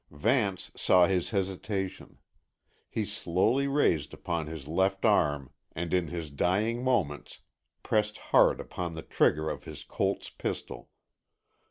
Vance saw his hesitation. He slowly raised upon his left arm and in his dying moments pressed hard upon the trigger of his Colt's pistol.